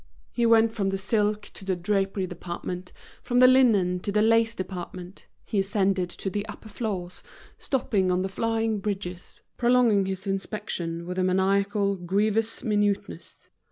He went from the silk to the drapery department, from the linen to the lace department, he ascended to the upper floors, stopping on the flying bridges, prolonging his inspection with a maniacal, grievous minuteness.